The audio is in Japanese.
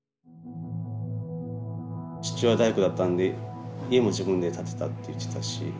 父親大工だったんで家も自分で建てたって言ってたし。